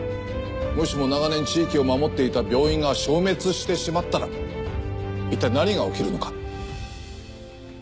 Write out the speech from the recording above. もしも長年地域を守っていた病院が消滅してしまったらいったい何が起きるのか？